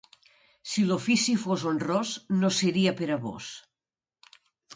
Si l'ofici fos honrós no seria per a vós.